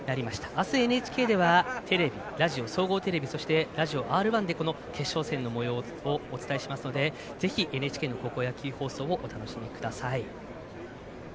明日、ＮＨＫではテレビ、ラジオ、総合テレビそして、ラジオＲ１でこの決勝戦のもようをお伝えしますのでぜひＮＨＫの高校野球放送をお楽しみください。